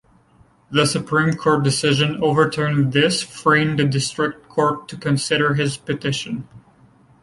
The Supreme Court decision overturned this, freeing the District Court to consider his petition.